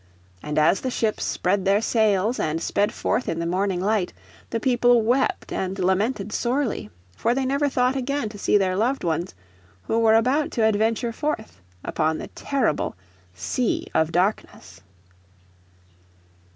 And as the ships spread their sails and sped forth in the morning light the people wept and lamented sorely, for they never thought again to see their loved ones, who were about to adventure forth upon the terrible Sea of Darkness.